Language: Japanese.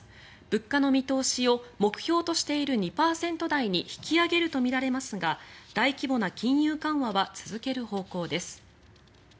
物価の見通しを目標としている２％台に引き上げるとみられますが大規模な金融緩和は続ける方向です。